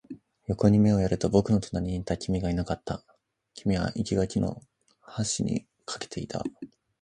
横に目をやると、僕の隣にいた君がいなかった。君は生垣の端に駆けていた。